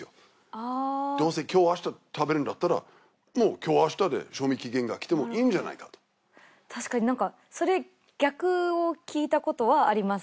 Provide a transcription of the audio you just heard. あどうせきょうあした食べるんだったらもうきょうあしたで賞味期限がきてもいいんじゃないかとたしかになんかそれ逆を聞いたことはあります